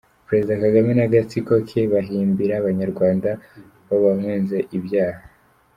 -Perezida Kagame n’agatsiko ke bahimbira abanyarwanda babahunze ibyaha